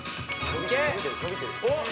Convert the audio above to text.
おっ！